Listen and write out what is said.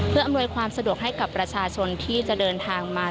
เพื่ออำนวยความสะดวกให้กับประชาชนที่จะเดินทางมา